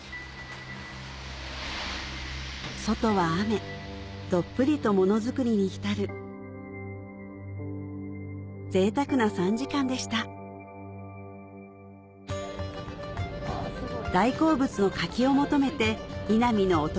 外は雨どっぷりと物作りに浸るぜいたくな３時間でした大好物の柿を求めて井波のお隣